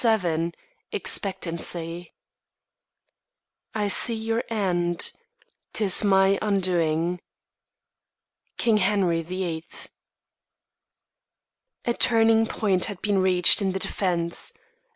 XXVII EXPECTANCY I see your end, 'T is my undoing. King Henry VIII. A turning point had been reached in the defence.